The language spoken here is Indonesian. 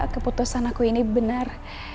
keputusan aku ini benar